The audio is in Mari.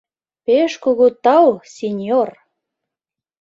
— Пеш кугу тау, синьор.